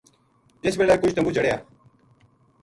جس بِلے کجھ تمبو جھڑیا